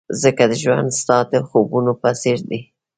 ځکه ژوند ستا د خوبونو په څېر دی.